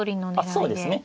そうですね。